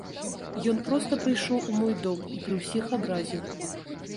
Ён проста прыйшоў у мой дом і пры ўсіх абразіў.